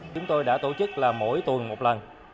chúng tôi đã tổ chức là mỗi tuần một lần